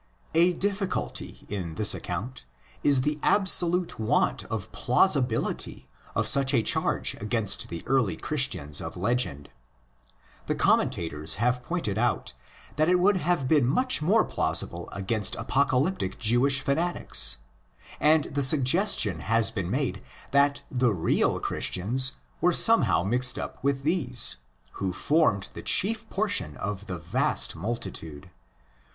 A difficulty in this account is the absolute want of plausibility of such a charge against the early Chris tians of legend. The commentators have pointed out that it would have been much more plausible against apocalyptic Jewish fanatics; and the suggestion has been made that the real '' Christians '' were somehow mixed up with these, who formed the chief portion of the '' vast multitude."